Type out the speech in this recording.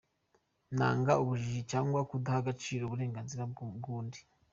Nanga ubujiji cyangwa kudaha agaciro uburenganzira bw’undi.